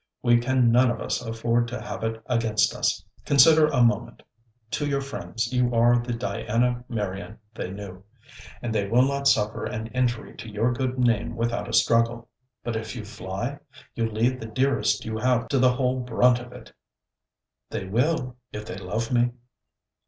'We can none of us afford to have it against us. Consider a moment: to your friends you are the Diana Merion they knew, and they will not suffer an injury to your good name without a struggle. But if you fly? You leave the dearest you have to the whole brunt of it. 'They will, if they love me.'